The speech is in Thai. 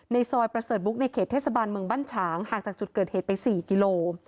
ซอยประเสริฐบุ๊กในเขตเทศบาลเมืองบ้านฉางห่างจากจุดเกิดเหตุไป๔กิโล